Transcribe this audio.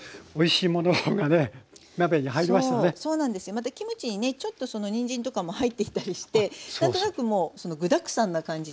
またキムチにねちょっとにんじんとかも入っていたりして何となくもう具だくさんな感じになってますよね。